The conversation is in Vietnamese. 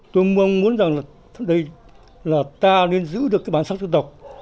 tôi muốn rằng là ta nên giữ được cái bản sắc dân tộc